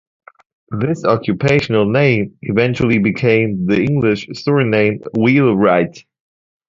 This occupational name eventually became the English surname "Wheelwright".